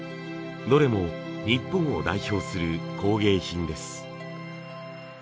どれも日本を代表する工芸品です。